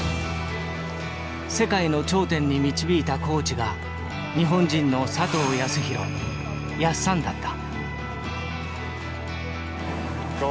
世界の頂点に導いたコーチが日本人の佐藤康弘やっさんだった。